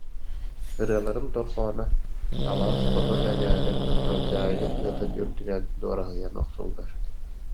Ырыаларын дорҕооно алаас хоту эҥээрин халдьаайы тыатын үрдүнэн дуораһыйан охсуллар